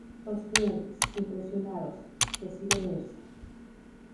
Los clientes, impresionados, deciden irse.